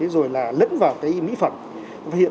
rồi là lẫn vào cái mỹ phẩm